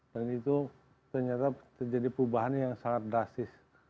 dan itu ternyata terjadi perubahan yang sangat drastis